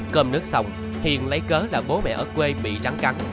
cơm nước xong hiền lấy cớ là bố mẹ ở quê bị trắng căng